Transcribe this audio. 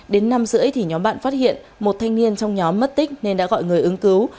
đến năm h ba mươi thì nhóm bạn phát hiện một thanh niên trong nhóm mất tích nên đã gọi người ứng cứu